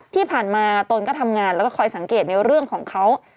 ที่ผ่านมาตนก็ทำงานแล้วก็คอยสังเกตในเรื่องของเขา